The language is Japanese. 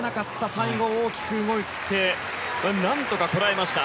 最後、大きく動いて何とかこらえました。